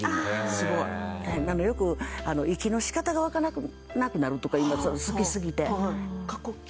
すごい。よく息の仕方がわからなくなるとかいう好きすぎて。